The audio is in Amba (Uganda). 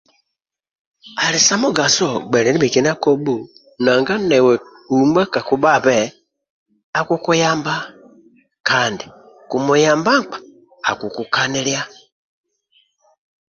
Ali sa mugaso gbelia ndibhekina kobhu nanga newe uma kakubhabe akukuyamba kandi kumuyamba nkpa akukukaninlia